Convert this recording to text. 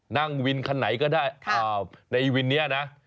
นั่งวินคันไหนก็ได้ในวินนี้นะ